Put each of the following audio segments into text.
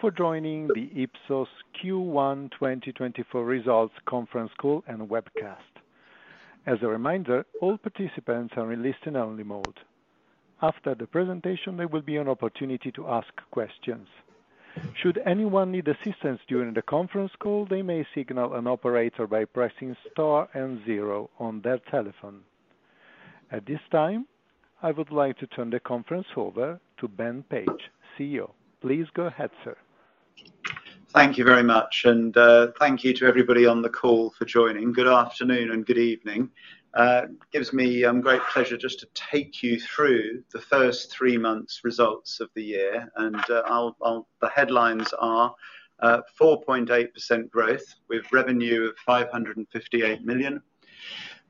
for joining the Ipsos Q1 2024 Results Conference Call and Webcast. As a reminder, all participants are in listen only mode. After the presentation, there will be an opportunity to ask questions. Should anyone need assistance during the conference call, they may signal an operator by pressing star and zero on their telephone. At this time, I would like to turn the conference over to Ben Page, CEO. Please go ahead, sir. Thank you very much, and thank you to everybody on the call for joining. Good afternoon and good evening. Gives me great pleasure just to take you through the first three months results of the year, and the headlines are 4.8% growth with revenue of 558 million.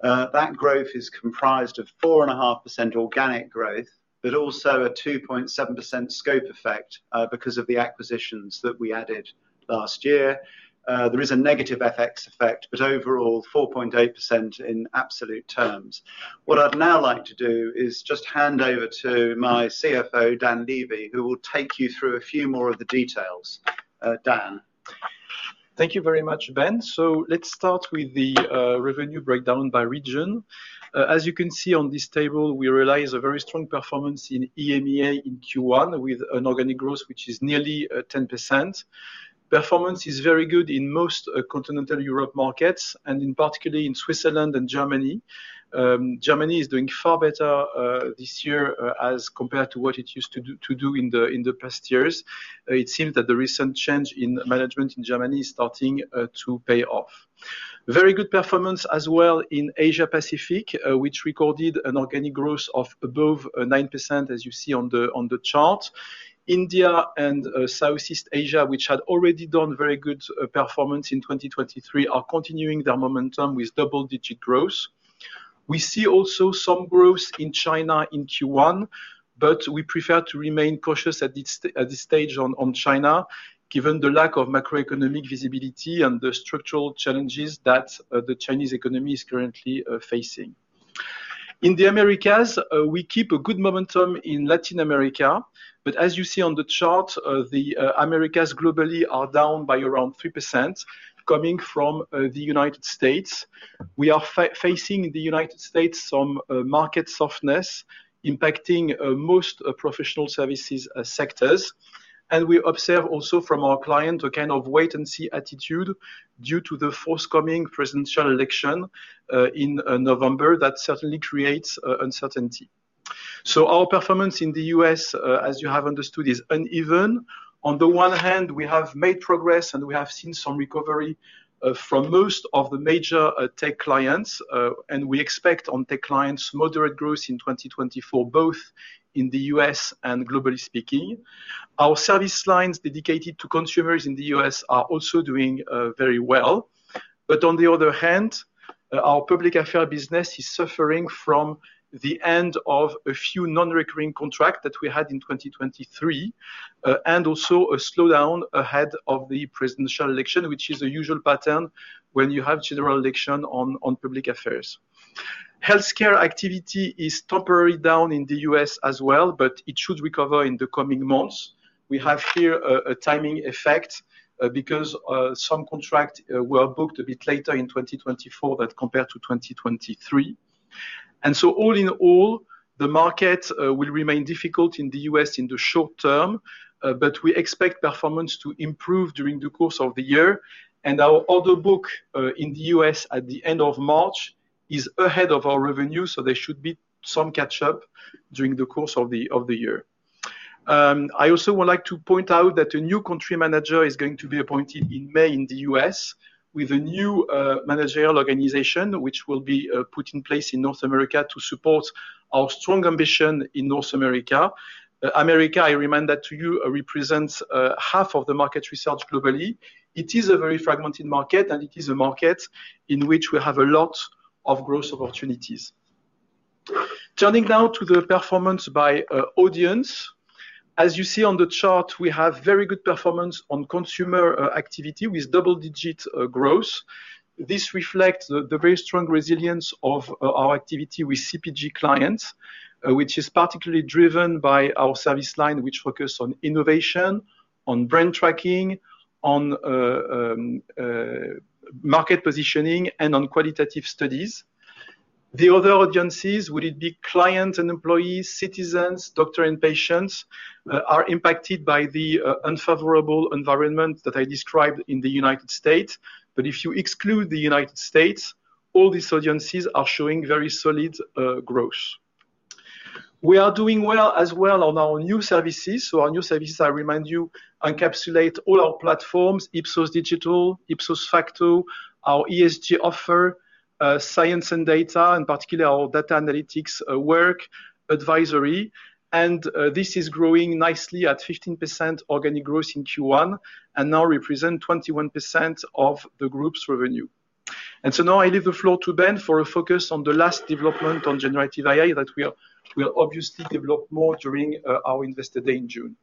That growth is comprised of 4.5% organic growth, but also a 2.7% scope effect because of the acquisitions that we added last year. There is a negative FX effect, but overall, 4.8% in absolute terms. What I'd now like to do is just hand over to my CFO, Dan Lévy, who will take you through a few more of the details. Dan? Thank you very much, Ben. So let's start with the revenue breakdown by region. As you can see on this table, we realize a very strong performance in EMEA in Q1, with an organic growth, which is nearly 10%. Performance is very good in most continental Europe markets and in particular in Switzerland and Germany. Germany is doing far better this year, as compared to what it used to do in the past years. It seems that the recent change in management in Germany is starting to pay off. Very good performance as well in Asia Pacific, which recorded an organic growth of above 9%, as you see on the chart. India and Southeast Asia, which had already done very good performance in 2023, are continuing their momentum with double-digit growth. We see also some growth in China in Q1, but we prefer to remain cautious at this stage on China, given the lack of macroeconomic visibility and the structural challenges that the Chinese economy is currently facing. In the Americas, we keep a good momentum in Latin America, but as you see on the chart, the Americas globally are down by around 3%, coming from the United States. We are facing the United States some market softness impacting most professional services sectors, and we observe also from our client, a kind of wait and see attitude due to the forthcoming presidential election in November. That certainly creates uncertainty. So our performance in the U.S., as you have understood, is uneven. On the one hand, we have made progress, and we have seen some recovery from most of the major tech clients, and we expect on tech clients, moderate growth in 2024, both in the U.S. and globally speaking. Our service lines dedicated to consumers in the U.S. are also doing very well. But on the other hand, our Public Affairs business is suffering from the end of a few non-recurring contracts that we had in 2023, and also a slowdown ahead of the presidential election, which is a usual pattern when you have general election on public affairs. Healthcare activity is temporarily down in the U.S. as well, but it should recover in the coming months. We have here a timing effect because some contract were booked a bit later in 2024 than compared to 2023. So all in all, the market will remain difficult in the US in the short term, but we expect performance to improve during the course of the year. Our order book in the US at the end of March is ahead of our revenue, so there should be some catch up during the course of the year. I also would like to point out that a new country manager is going to be appointed in May in the US, with a new managerial organization, which will be put in place in North America to support our strong ambition in North America. America, I remind that to you, represents half of the market research globally. It is a very fragmented market, and it is a market in which we have a lot of growth opportunities. Turning now to the performance by audience. As you see on the chart, we have very good performance on consumer activity with double-digit growth. This reflects the very strong resilience of our activity with CPG clients, which is particularly driven by our service line, which focus on innovation, on brand tracking, on market positioning, and on qualitative studies. The other audiences, would it be Clients & Employees, Citizens, Doctors & Patients, are impacted by the unfavorable environment that I described in the United States. But if you exclude the United States, all these audiences are showing very solid growth. We are doing well as well on our new services. Our new services, I remind you, encapsulate all our platforms, Ipsos.Digital, Ipsos Facto, our ESG offer, science and data, and particularly our data analytics, work advisory. This is growing nicely at 15% organic growth in Q1 and now represent 21% of the group's revenue. So now I leave the floor to Ben for a focus on the last development on generative AI that we are-- we'll obviously develop more during our Investor Day in June.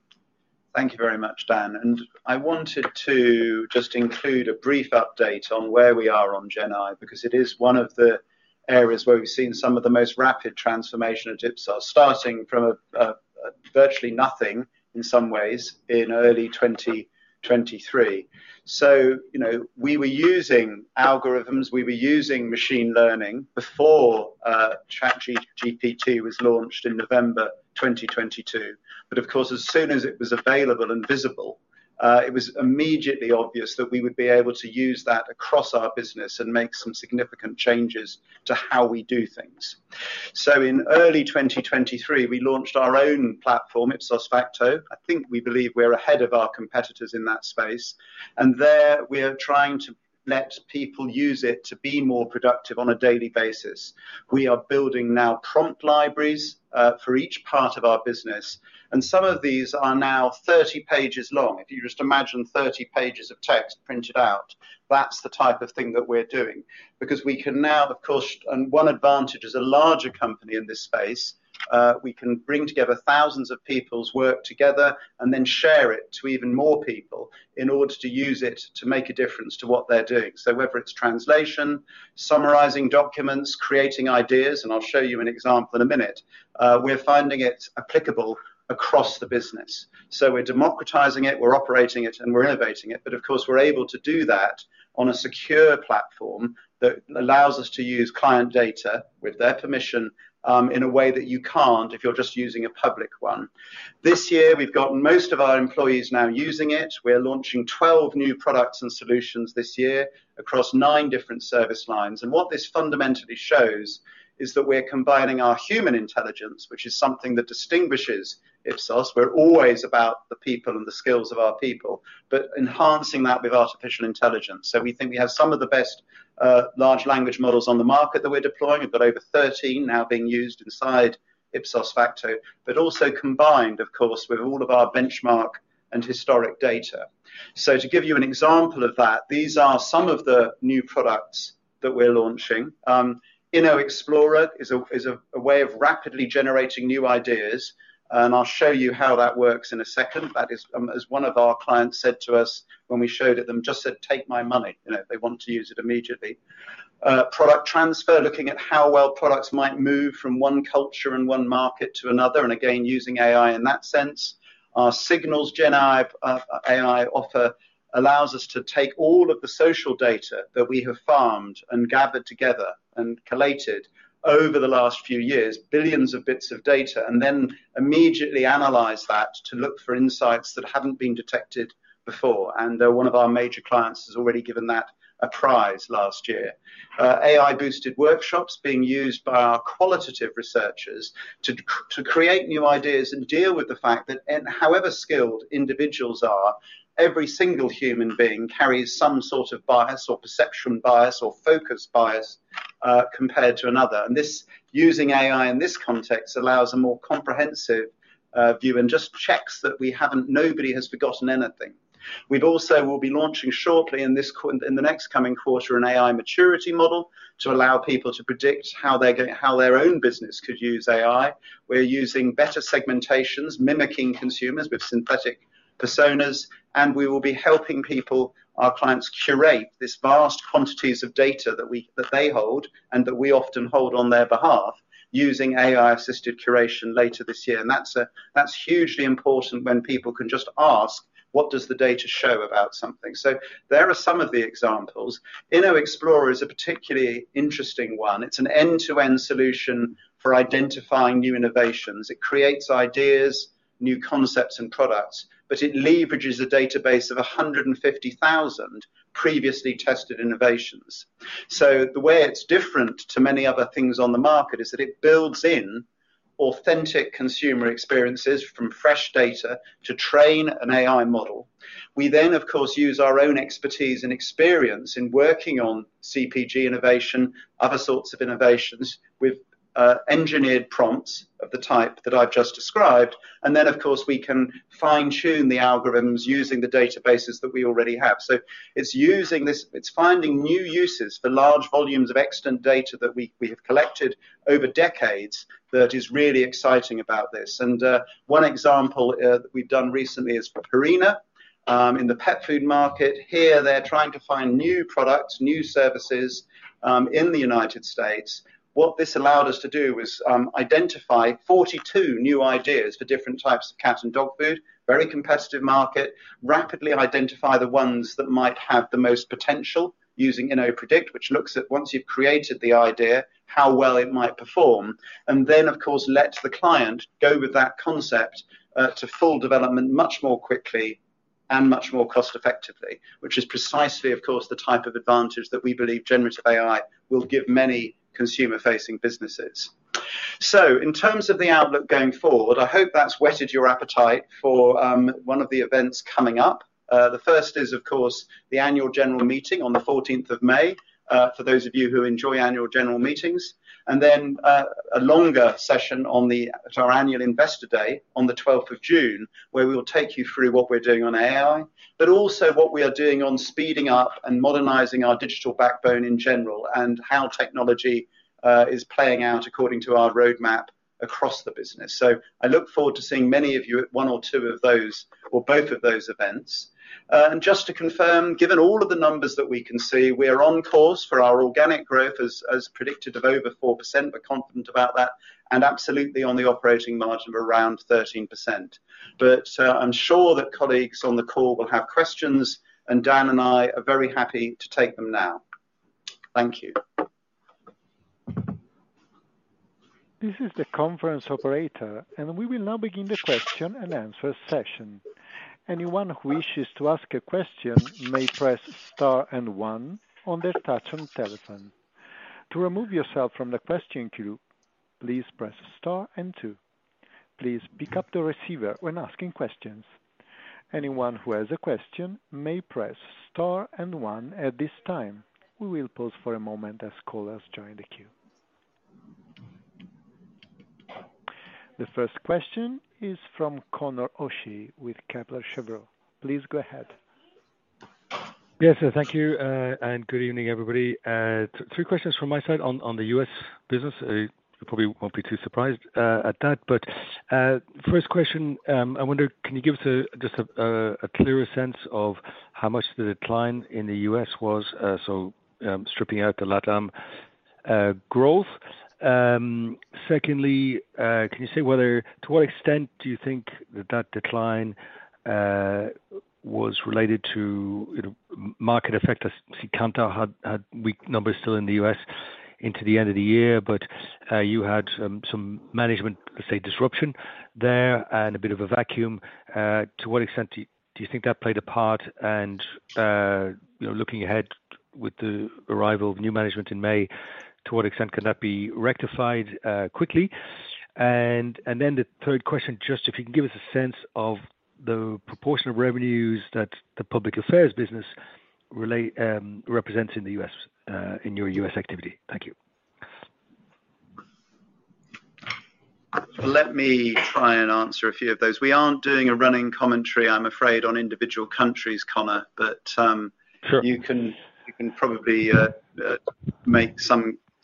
Thank you very much, Dan, and I wanted to just include a brief update on where we are on Gen AI, because it is one of the areas where we've seen some of the most rapid transformation at Ipsos, starting from a virtually nothing in some ways in early 2023. So, you know, we were using algorithms, we were using machine learning before ChatGPT was launched in November 2022. But of course, as soon as it was available and visible, it was immediately obvious that we would be able to use that across our business and make some significant changes to how we do things. So in early 2023, we launched our own platform, Ipsos Facto. I think we believe we're ahead of our competitors in that space, and there we are trying to let people use it to be more productive on a daily basis. We are building now prompt libraries for each part of our business, and some of these are now 30 pages long. If you just imagine 30 pages of text printed out, that's the type of thing that we're doing, because we can now, of course, and one advantage, as a larger company in this space, we can bring together thousands of people's work together and then share it to even more people in order to use it to make a difference to what they're doing. So whether it's translation, summarizing documents, creating ideas, and I'll show you an example in a minute, we're finding it applicable across the business. So we're democratizing it, we're operating it, and we're innovating it. But of course, we're able to do that on a secure platform that allows us to use client data, with their permission, in a way that you can't if you're just using a public one. This year, we've gotten most of our employees now using it. We are launching 12 new products and solutions this year across nine different service lines, and what this fundamentally shows is that we're combining our human intelligence, which is something that distinguishes Ipsos. We're always about the people and the skills of our people, but enhancing that with artificial intelligence. So we think we have some of the best, large language models on the market that we're deploying. We've got over 13 now being used inside Ipsos Facto, but also combined, of course, with all of our benchmark and historic data. To give you an example of that, these are some of the new products that we're launching. InnoExplorer is a way of rapidly generating new ideas, and I'll show you how that works in a second. That is, as one of our clients said to us when we showed it to them, just said, "Take my money." You know, they want to use it immediately. Product Transfer, looking at how well products might move from one culture and one market to another, and again, using AI in that sense. Our Signals GenAI AI offer allows us to take all of the social data that we have farmed and gathered together and collated over the last few years, billions of bits of data, and then immediately analyze that to look for insights that haven't been detected before. One of our major clients has already given that a prize last year. AI-boosted workshops being used by our qualitative researchers to create new ideas and deal with the fact that however skilled individuals are, every single human being carries some sort of bias or perception bias or focus bias, compared to another. And this, using AI in this context, allows a more comprehensive view and just checks that we haven't... nobody has forgotten anything. We've also will be launching shortly in the next coming quarter, an AI Maturity Model to allow people to predict how they're how their own business could use AI. We're using better segmentations, mimicking consumers with synthetic personas, and we will be helping people, our clients, curate this vast quantities of data that we, that they hold, and that we often hold on their behalf, using AI-assisted curation later this year. And that's that's hugely important when people can just ask, "What does the data show about something?" So there are some of the examples. InnoExplorer is a particularly interesting one. It's an end-to-end solution for identifying new innovations. It creates ideas, new concepts and products, but it leverages a database of 150,000 previously tested innovations. So the way it's different to many other things on the market is that it builds in authentic consumer experiences from fresh data to train an AI model. We then, of course, use our own expertise and experience in working on CPG innovation, other sorts of innovations, with engineered prompts of the type that I've just described. And then, of course, we can fine-tune the algorithms using the databases that we already have. So it's using this, it's finding new uses for large volumes of extant data that we have collected over decades that is really exciting about this. And one example that we've done recently is for Purina in the pet food market. Here, they're trying to find new products, new services in the United States. What this allowed us to do was identify 42 new ideas for different types of cat and dog food, very competitive market, rapidly identify the ones that might have the most potential using InnoPredict, which looks at once you've created the idea, how well it might perform, and then, of course, let the client go with that concept to full development much more quickly and much more cost-effectively. Which is precisely, of course, the type of advantage that we believe generative AI will give many consumer-facing businesses. So in terms of the outlook going forward, I hope that's whetted your appetite for one of the events coming up. The first is, of course, the annual general meeting on the fourteenth of May for those of you who enjoy annual general meetings. And then, a longer session at our annual investor day on the 12th of June, where we will take you through what we're doing on AI, but also what we are doing on speeding up and modernizing our digital backbone in general, and how technology is playing out according to our roadmap across the business. So I look forward to seeing many of you at one or two of those, or both of those events. And just to confirm, given all of the numbers that we can see, we are on course for our organic growth, as predicted, of over 4%. We're confident about that, and absolutely on the operating margin of around 13%. But, I'm sure that colleagues on the call will have questions, and Dan and I are very happy to take them now. Thank you. This is the conference operator, and we will now begin the question and answer session. Anyone who wishes to ask a question may press star and one on their touch-tone telephone. To remove yourself from the question queue, please press star and two. Please pick up the receiver when asking questions. Anyone who has a question may press star and one at this time. We will pause for a moment as callers join the queue. The first question is from Conor O'Shea with Kepler Cheuvreux. Please go ahead. Yes, sir. Thank you, and good evening, everybody. Three questions from my side on the U.S. business. You probably won't be too surprised at that, but first question, I wonder, can you give us just a clearer sense of how much the decline in the U.S. was, so stripping out the LATAM growth? Secondly, can you say whether to what extent do you think that decline was related to, you know, market effect? I see Kantar had weak numbers still in the U.S. into the end of the year, but you had some management, let's say, disruption there and a bit of a vacuum. To what extent do you think that played a part? You know, looking ahead with the arrival of new management in May, to what extent can that be rectified quickly? And then the third question, just if you can give us a sense of the proportion of revenues that the Public Affairs business relate represents in the U.S., in your U.S. activity. Thank you. Let me try and answer a few of those. We aren't doing a running commentary, I'm afraid, on individual countries, Conor. Sure. But you can probably make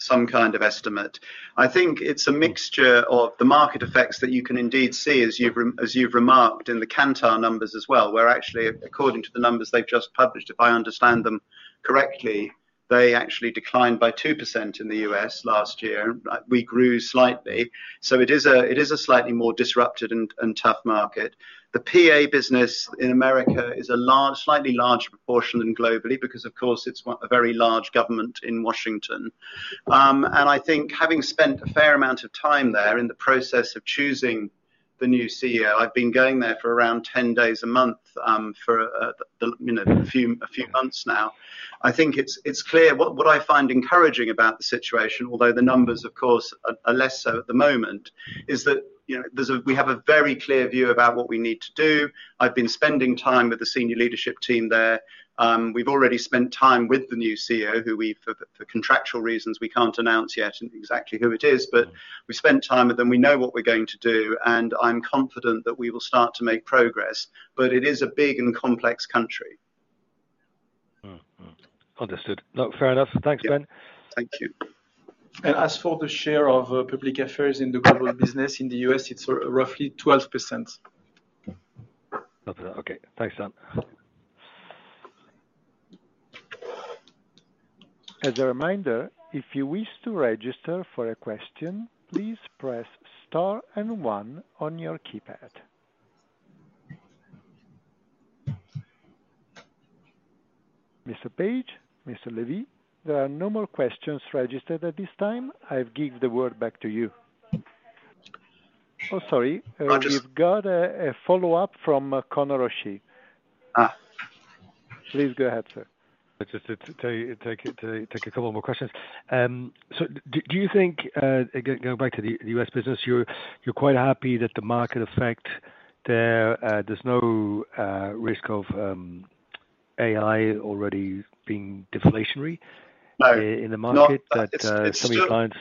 some kind of estimate. I think it's a mixture of the market effects that you can indeed see, as you've remarked in the Kantar numbers as well, where actually, according to the numbers they've just published, if I understand them correctly, they actually declined by 2% in the U.S. last year. We grew slightly, so it is a slightly more disrupted and tough market. The PA business in America is a large, slightly larger proportion than globally, because, of course, it's a very large government in Washington. And I think having spent a fair amount of time there in the process of choosing the new CEO, I've been going there for around 10 days a month, you know, for a few months now. I think it's clear what I find encouraging about the situation, although the numbers, of course, are less so at the moment, is that, you know, there's a... We have a very clear view about what we need to do. I've been spending time with the senior leadership team there. We've already spent time with the new CEO, who we've, for contractual reasons, we can't announce yet exactly who it is, but we spent time with him. We know what we're going to do, and I'm confident that we will start to make progress. But it is a big and complex country. Mm-hmm. Understood. No, fair enough. Thanks, Ben. Thank you. As for the share of Public Affairs in the global business, in the U.S., it's roughly 12%. Okay. Thanks, Dan. As a reminder, if you wish to register for a question, please press star and one on your keypad. Mr. Page, Mr. Lévy, there are no more questions registered at this time. I'll give the word back to you. Oh, sorry. Understood. We've got a follow-up from Conor O'Shea. Ah. Please go ahead, sir. Just to take a couple more questions. So do you think, again, going back to the U.S. business, you're quite happy that the market effect there, there's no risk of AI already being deflationary- No... in the market? No. That, some clients-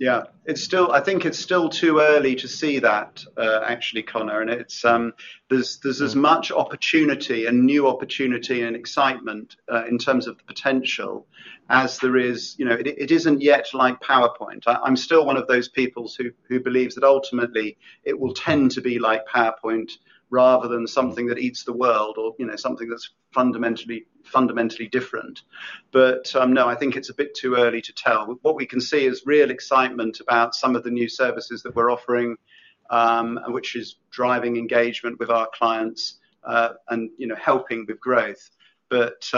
It's still. Yeah, it's still—I think it's still too early to see that, actually, Conor, and it's, there's as much opportunity and new opportunity and excitement in terms of the potential as there is, you know, it, it isn't yet like PowerPoint. I'm still one of those people who believes that ultimately it will tend to be like PowerPoint rather than something that eats the world or, you know, something that's fundamentally different. But no, I think it's a bit too early to tell. What we can see is real excitement about some of the new services that we're offering, which is driving engagement with our clients, and, you know, helping with growth. But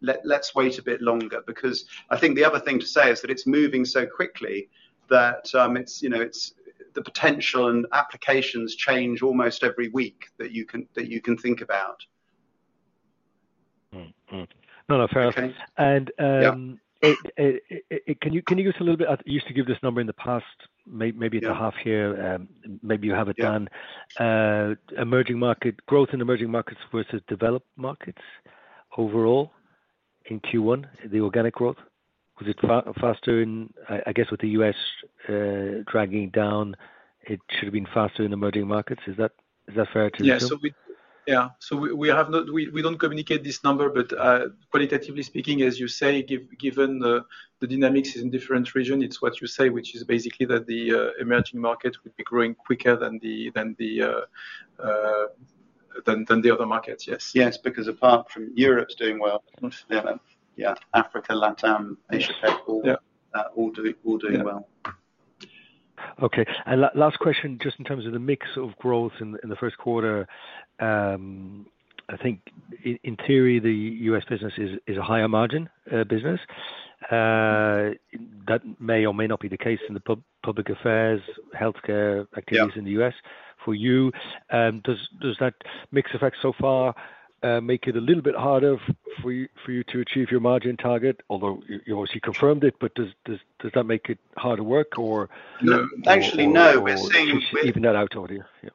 let's wait a bit longer, because I think the other thing to say is that it's moving so quickly that, you know, the potential and applications change almost every week that you can think about. Mm-hmm. Mm-hmm. No, no, fair enough. And, um- Yeah... Can you give us a little bit? You used to give this number in the past, maybe it's a half year, maybe you have it done. Emerging market growth in emerging markets versus developed markets overall in Q1, the organic growth? Was it faster in, I guess with the U.S. dragging it down, it should have been faster in emerging markets. Is that fair to assume? Yeah, so we have not, we don't communicate this number, but, qualitatively speaking, as you say, given the dynamics in different region, it's what you say, which is basically that the emerging market will be growing quicker than the other markets. Yes, because apart from Europe's doing well- Mm-hmm. Yeah. Africa, LATAM, Asia, Tech- Yeah... all doing well. Okay, and last question, just in terms of the mix of growth in the first quarter, I think in theory, the U.S. business is a higher margin business. That may or may not be the case in the Public Affairs, Healthcare- Yeah -activities in the U.S. for you. Does that mix affect so far make it a little bit harder for you to achieve your margin target? Although you obviously confirmed it, but does that make it harder work, or- No. Actually, no. We're seeing- Even that out over here? Yeah.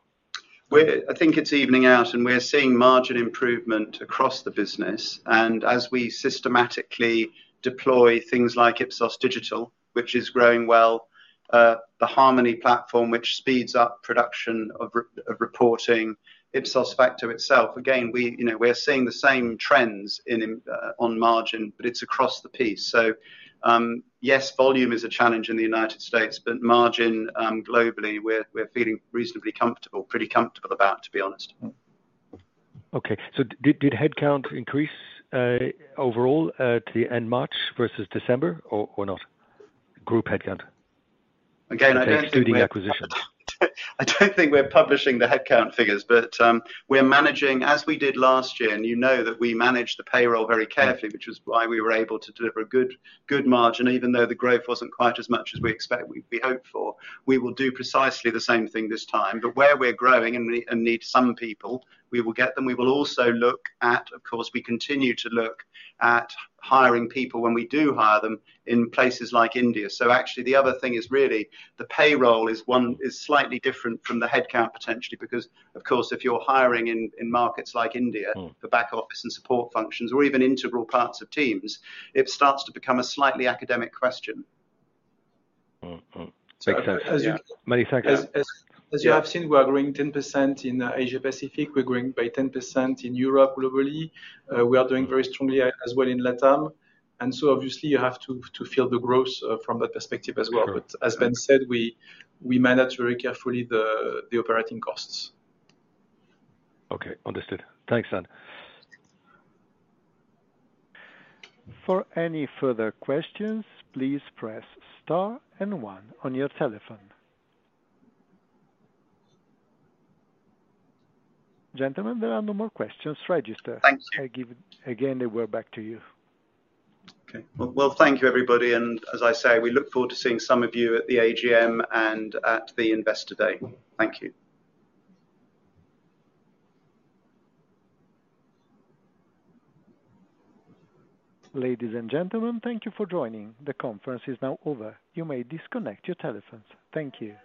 We're, I think it's evening out, and we're seeing margin improvement across the business. And as we systematically deploy things like Ipsos Digital, which is growing well, the Harmoni platform, which speeds up production of reporting, Ipsos Facto itself, again, we, you know, we're seeing the same trends in, on margin, but it's across the piece. So, yes, volume is a challenge in the United States, but margin, globally, we're feeling reasonably comfortable, pretty comfortable about, to be honest. Okay. So did headcount increase overall to the end March versus December or not? Group headcount. Again, I don't think we're- Excluding acquisitions. I don't think we're publishing the headcount figures, but we're managing, as we did last year, and you know that we managed the payroll very carefully, which was why we were able to deliver a good, good margin, even though the growth wasn't quite as much as we expect, we hoped for. We will do precisely the same thing this time, but where we're growing and need some people, we will get them. We will also look at, of course, we continue to look at hiring people when we do hire them in places like India. So actually, the other thing is really the payroll is slightly different from the headcount potentially because, of course, if you're hiring in markets like India- Mm... for back office and support functions or even integral parts of teams, it starts to become a slightly academic question. Mm-hmm. Mm. Makes sense, yeah. As you- Many, thank you. As you have seen, we are growing 10% in Asia Pacific. We're growing by 10% in Europe globally. We are doing very strongly as well in LATAM, and so obviously, you have to feel the growth from that perspective as well. Sure. But as Ben said, we manage very carefully the operating costs. Okay, understood. Thanks, Dan. For any further questions, please press star and one on your telephone. Gentlemen, there are no more questions registered. Thanks. I give, again, the word back to you. Okay. Well, well, thank you, everybody, and as I say, we look forward to seeing some of you at the AGM and at the Investor Day. Thank you. Ladies and gentlemen, thank you for joining. The conference is now over. You may disconnect your telephones. Thank you.